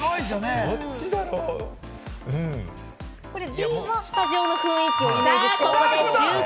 Ｂはスタジオの雰囲気をイメージしてます。